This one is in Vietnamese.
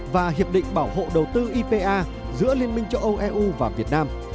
và hiệp định bảo hộ đầu tư ipa giữa liên minh châu âu eu và việt nam